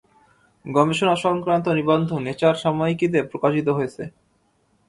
গবেষণাসংক্রান্ত নিবন্ধ নেচার সাময়িকীতে প্রকাশিত হয়েছে।